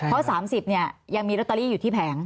เพราะ๓๐เนี่ยยังมีลอตเตอรี่อยู่ที่แผง